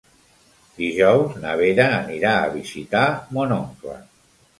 Dijous na Vera anirà a visitar mon oncle.